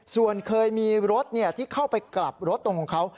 ส่วนเคยมีรถที่เข้าไปกลับรถตรงของเขา